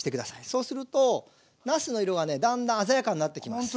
そうするとなすの色がねだんだん鮮やかになってきます。